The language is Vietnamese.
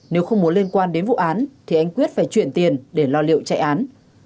nếu không muốn liên quan đến vụ án thì anh quyết phải chuyển tiền để lo liệu chạy án